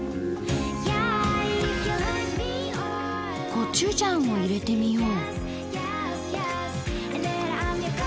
コチュジャンを入れてみよう。